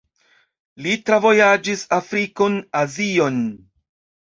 Li travojaĝis Afrikon, Azion.